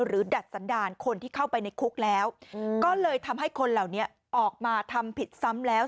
ดัดสันดารคนที่เข้าไปในคุกแล้วก็เลยทำให้คนเหล่านี้ออกมาทำผิดซ้ำแล้ว